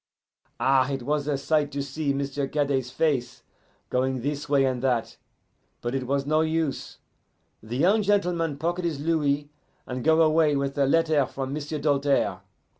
Ah, it was a sight to see M'sieu' Cadet's face, going this way and that. But it was no use: the young gentleman pocket his louis, and go away with a letter from M'sieu' Doltaire.